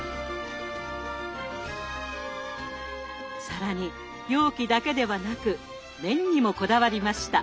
更に容器だけではなく麺にもこだわりました。